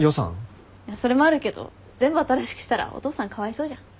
それもあるけど全部新しくしたらお父さんかわいそうじゃん。